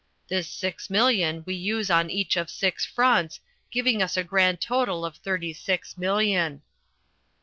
This six million we use on each of six fronts, giving a grand total of thirty six million.